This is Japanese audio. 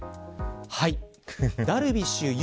ダルビッシュ有